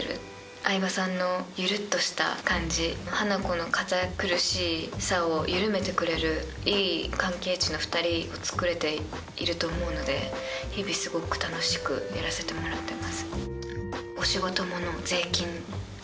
饗庭さんのゆるっとした感じ華子の堅苦しさを緩めてくれるいい関係値な２人をつくれていると思うので日々すごく楽しくやらせてもらってます。